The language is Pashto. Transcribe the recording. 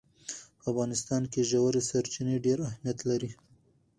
په افغانستان کې ژورې سرچینې ډېر اهمیت لري.